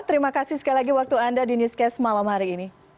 terima kasih sekali lagi waktu anda di newscast malam hari ini